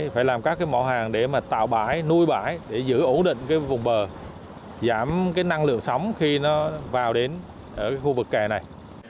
phải làm các mẫu hàng để mà tạo bãi nuôi bãi để giữ ổn định vùng bờ giảm năng lượng sóng khi nó vào đến khu vực kè này